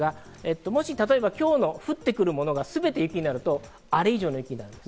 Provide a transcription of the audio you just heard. もし例えば今日の降ってくるものがすべて雪になると、あれ以上の雪になります。